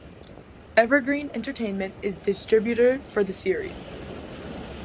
Evergreen Entertainment is distributor for the series.